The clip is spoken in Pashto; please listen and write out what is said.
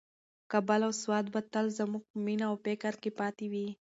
کابل او سوات به تل زموږ په مینه او فکر کې پاتې وي.